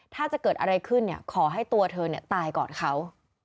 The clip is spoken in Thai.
ถ้าจะเกิดอะไรขึ้นขอให้ตัวเธอตายก่อนเขา